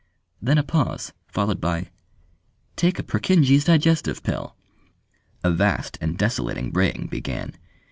Then a pause, followed by "TAKE A PURKINJE'S DIGESTIVE PILL." A vast and desolating braying began.